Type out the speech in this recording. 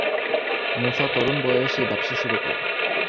মুসা তরুণ বয়সেই ব্যবসা শুরু করেন।